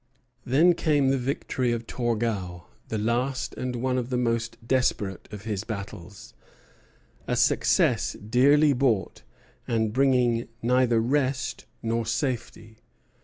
Then came the victory of Torgau, the last and one of the most desperate of his battles: a success dearly bought, and bringing neither rest nor safety.